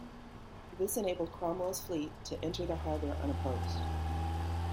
This enabled Cromwell's fleet to enter the harbour unopposed.